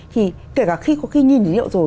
thì kể cả khi có khi nhìn hiệu rồi